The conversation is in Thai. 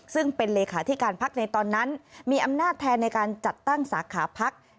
ซึ่งเป็นเลขาธิการพักในตอนนั้นมีอำนาจแทนในการจัดตั้งสาขาพัก